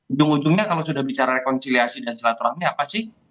ujung ujungnya kalau sudah bicara rekonsiliasi dan silaturahmi apa sih